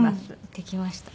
できました。